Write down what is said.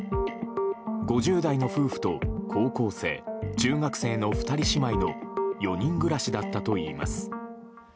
５０代の夫婦と高校生中学生の２人姉妹の４人暮らしだったといいます。